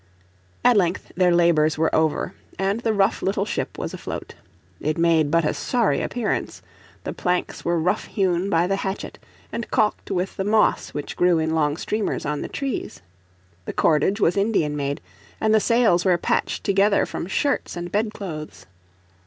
At length their labours were over and the rough little ship was afloat. It made but a sorry appearance. The planks were rough hewn by the hatchet, and caulked with the moss which grew in long streamers on the trees. The cordage was Indian made, and the sails were patched together from shirts and bedclothes.